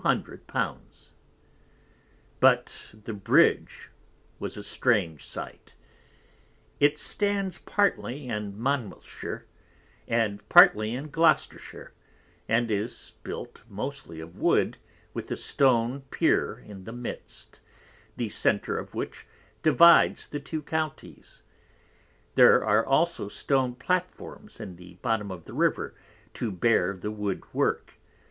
_ But the Bridge was a strange sight; it stands partly in Monmouthshire, and partly in Gloucestershire, and is built mostly of Wood, with a Stone Peer in the midst, the Center of which divides the two Counties; there are also Stone Platforms in the bottom of the River to bear the Wood work.